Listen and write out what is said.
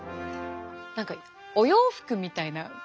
何かお洋服みたいな。